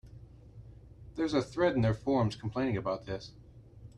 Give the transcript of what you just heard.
There's a thread in their forums complaining about this.